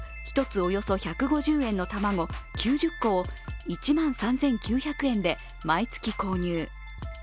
およそ１５０円の卵９０個を１万３９００円で毎月購入。